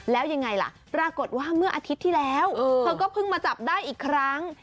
แล้วยังไงล่ะปรากฏว่าเมื่ออาทิตย์ที่แล้วเธอก็เพิ่งมาจับได้อีกครั้ง